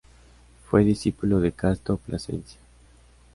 Fue discípulo de Casto Plasencia.